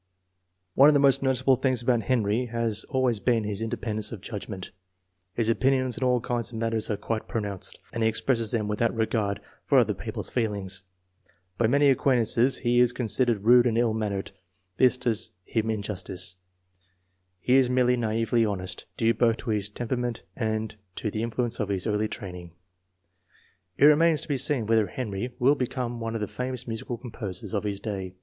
One of the most noticeable things about Henry has always been his independence of judgment. His opinions on all kinds of matters are quite pronounced, and he expresses them without regard for other peo ple's feelings. By many acquaintances he is consid ered rude and ill mannered. This does him injustice; he is merely naively honest, due both to his tempera ment and to the influence of his early training. It remains to be seen whether Henry will become one of the famous musical composers of his day.